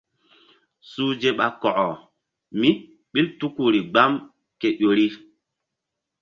Suhze ɓa kɔkɔ míɓil tuku ri gbam ke ƴori.